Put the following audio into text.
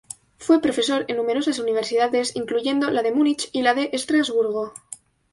Fue profesor en numerosas universidades, incluyendo la de Múnich y la de Estrasburgo.